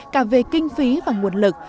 cả về kinh phí và nguồn lực